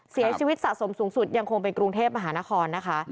เสียชีวิตสะสมสูงสุดยังคงเป็นกรุงเทพมหานครนะคะ